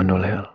assalamualaikum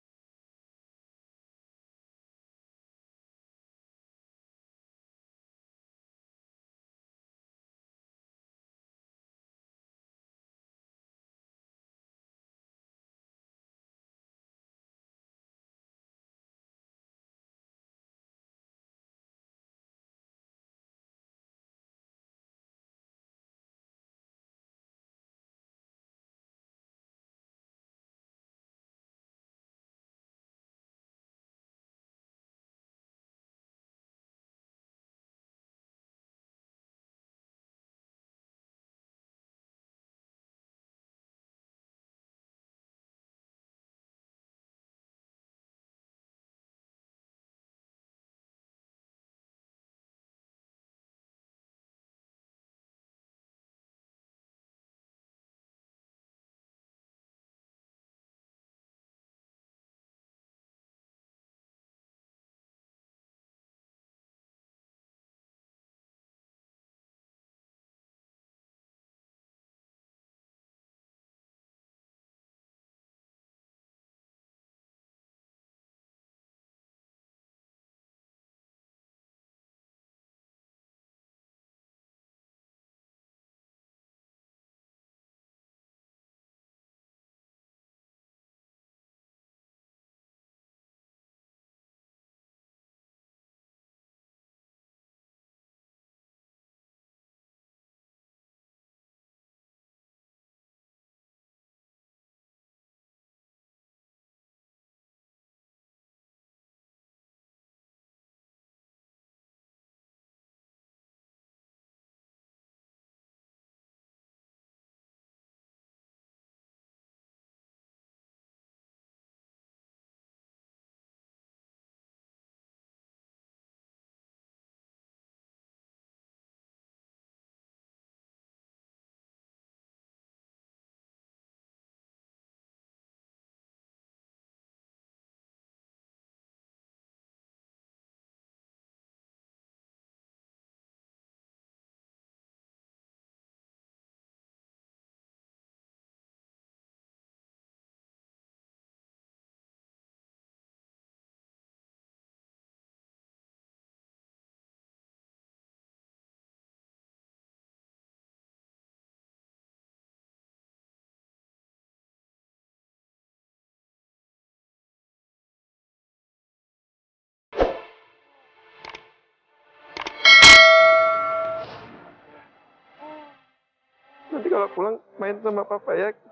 warahmatullahi wabarakatuh